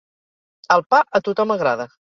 El pa a tothom agrada.